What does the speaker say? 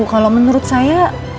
kalau menurut saya